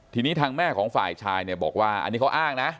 ทีนี้ทางแม่ของฝ่ายชายเนี่ยบอกว่าอันนี้เขาอ้างนะ